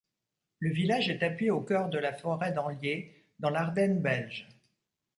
Le village est tapi au cœur de la forêt d'Anlier dans l'Ardenne belge.